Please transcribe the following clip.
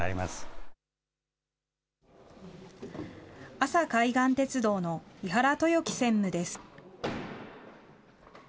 阿佐海岸鉄道の井原豊喜専務です。